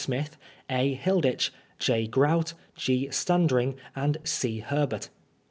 Smith, A. Hilditch, J. Grout, G. Standring and C. Herbert.